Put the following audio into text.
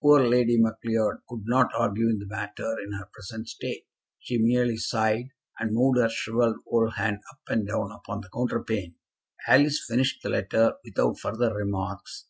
Poor Lady Macleod could not argue the matter in her present state. She merely sighed, and moved her shrivelled old hand up and down upon the counterpane. Alice finished the letter without further remarks.